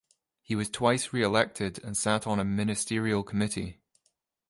He was twice reelected and sat on a ministerial committee.